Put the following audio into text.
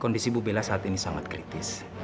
kondisi bu bella saat ini sangat kritis